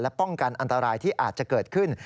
ป้องกันอันตรายที่อาจจะเกิดขึ้น